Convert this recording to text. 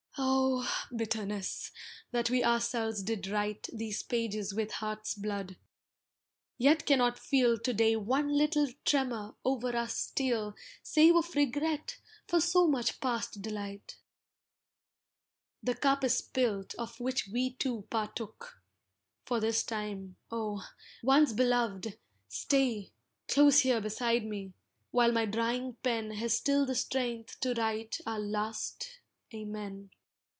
Oh! bitterness, that we ourselves did write These pages with heart's blood, yet cannot feel To day one little tremor o'er us steal Save of regret for so much past delight! The cup is spilt of which we two partook. For this last time, oh! once beloved, stay Close here beside me, while my drying pen Has still the strength to write our last Amen.